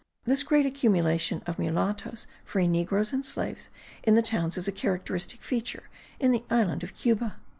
This great accumulation of mulattos, free negros and slaves in the towns is a characteristic feature in the island of Cuba.)